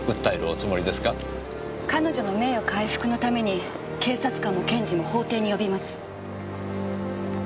彼女の名誉回復のために警察官も検事も法廷に呼びます。